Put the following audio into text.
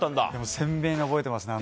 鮮明に覚えてます。